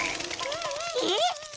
えっ⁉